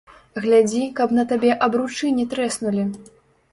Глядзі, каб на табе абручы не трэснулі!